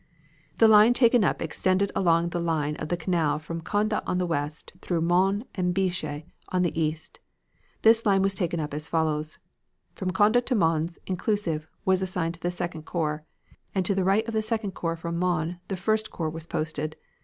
"The line taken up extended along the line of the canal from Conde on the west, through Mons and Binche on the east. This line was taken up as follows: "From Conde to Mons, inclusive, was assigned to the Second Corps, and to the right of the Second Corps from Mons the First Corps was posted.